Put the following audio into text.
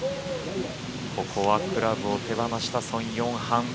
ここはクラブを手放したソン・ヨンハン。